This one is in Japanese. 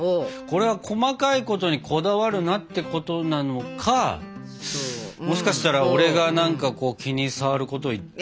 これは細かいことにこだわるなってことなのかもしかしたら俺が何か気に障ること言っちゃって。